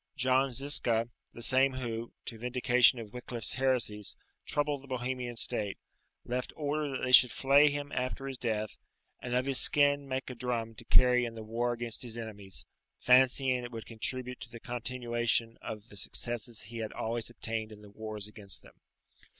John Zisca, the same who, to vindication of Wicliffe's heresies, troubled the Bohemian state, left order that they should flay him after his death, and of his skin make a drum to carry in the war against his enemies, fancying it would contribute to the continuation of the successes he had always obtained in the wars against them.